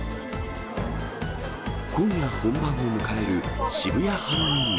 今夜本番を迎える渋谷ハロウィーン。